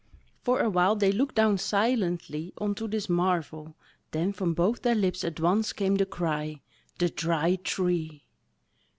For a while they looked down silently on to this marvel then from both their lips at once came the cry THE DRY TREE.